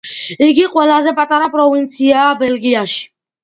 იგი ყველაზე პატარა პროვინციაა ბელგიაში.